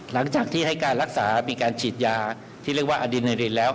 หลังจากที่ให้การรักษามีการฉีดยาที่เรียกว่าอดินไอรินแล้ว